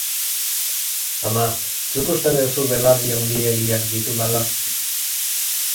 Ama, zuk uste duzu belarri handiegiak ditudala?